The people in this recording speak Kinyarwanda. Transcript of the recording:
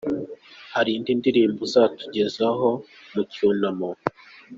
Hari indi ndirimbo uzatugezaho mu cyunamo ?.